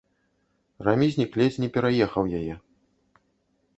Рамізнік ледзь не пераехаў яе.